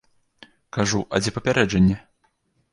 Кажу, а дзе папярэджанне?